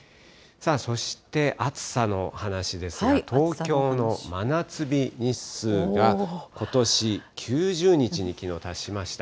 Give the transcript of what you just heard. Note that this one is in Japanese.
そして暑さの話ですが、東京の真夏日日数がことし、９０日にきのう達しました。